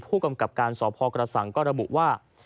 ผู้กำกับการสพกระสังก็ระบุว่า